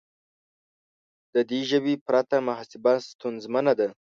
د دې ژبې پرته محاسبه ستونزمنه ده.